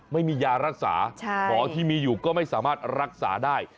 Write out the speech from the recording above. ไม่มียารักษาหมอที่มีอยู่ก็ไม่สามารถรักษาได้